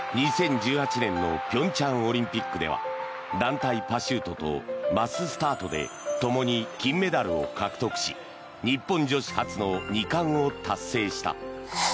２０１８年の平昌オリンピックでは団体パシュートとマススタートでともに金メダルを獲得し日本女子初の２冠を達成した。